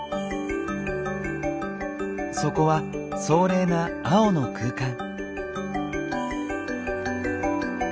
そこは壮麗な青の空間。